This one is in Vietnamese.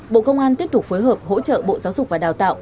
bộ công an tiếp tục phối hợp hỗ trợ bộ giáo dục và đào tạo